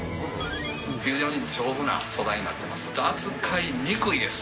非常に丈夫な素材になってます。